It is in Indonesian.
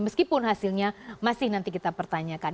meskipun hasilnya masih nanti kita pertanyakan